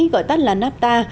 gọi tắt là napta